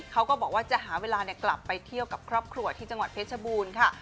เขาก็บอกว่าจะหาเวลากลับไปเที่ยวกับครอบครัวที่จังหวัดเพชรบูรณ์ค่ะ